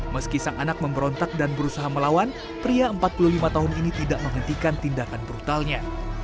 meski sang anak memberontak dan berusaha melawan pria empat puluh lima tahun ini tidak menghentikan tindakan brutalnya